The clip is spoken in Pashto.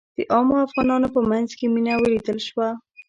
د عامو افغانانو په منځ کې مينه ولیدل شوه.